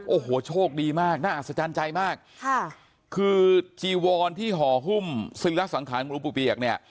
โอ้โหโชคดีมากน่าอัศจรรย์ใจมากคือจีวรที่ห่อหุ้มซื้อแล้วสังขารลุกปู่เปียกเนี่ย